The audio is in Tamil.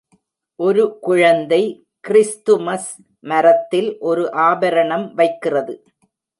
ஒரு குழந்தை கிறிஸ்துமஸ் மரத்தில் ஒரு ஆபரணம் வைக்கிறது.